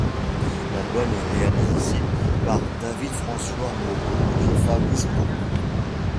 L'album est réalisé par David François Moreau et Fabrice Moreau.